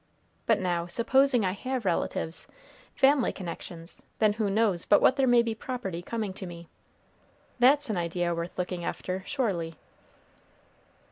But, now, supposing I have relatives, family connections, then who knows but what there may be property coming to me? That's an idea worth looking after, surely."